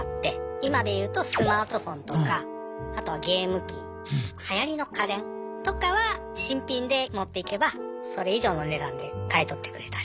今で言うとスマートフォンとかあとはゲーム機はやりの家電とかは新品で持っていけばそれ以上の値段で買い取ってくれたり。